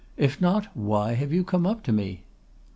If not, why have you come up to me?